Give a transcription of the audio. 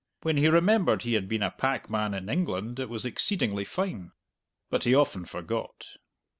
When he remembered he had been a packman in England it was exceedingly fine. But he often forgot.